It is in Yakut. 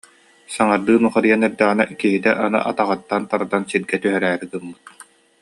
Саҥардыы нухарыйан эрдэҕинэ, «киһитэ» аны атаҕыттан тардан сиргэ түһэрээри гыммыт